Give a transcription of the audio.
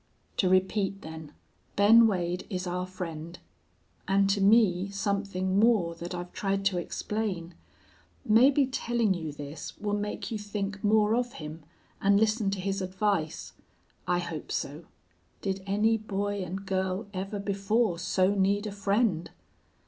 "To repeat, then, Ben Wade is our friend, and to me something more that I've tried to explain. Maybe telling you this will make you think more of him and listen to his advice. I hope so. Did any boy and girl ever before so need a friend?